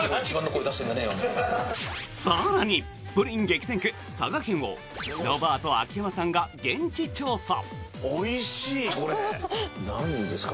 更にプリン激戦区、佐賀県をロバート、秋山さんが現地調査。